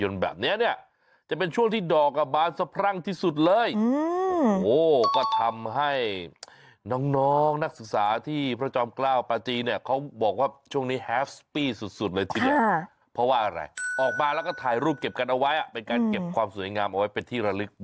เฮ้ยชื่นชอบเป็นอย่างมาก